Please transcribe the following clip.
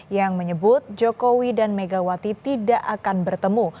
yang menyebut jokowi dan megawati tidak akan bertemu